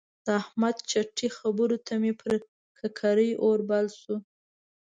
د احمد چټي خبرو ته مې پر ککرۍ اور بل شو.